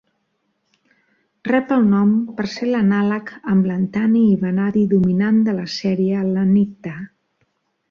Rep el nom per ser l'anàleg amb lantani i vanadi dominant de la sèrie al·lanita.